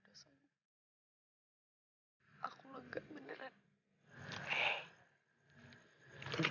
ini juga udah senyum tapi